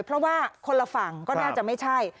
เพราะว่าคนละฝั่งก็น่าจะไม่ใช่